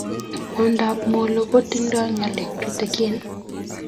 Kwandab molo kotindo ngalek tuten